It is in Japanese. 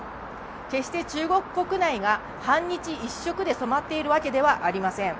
決して中国国内で反日一色で染まっているわけではありません。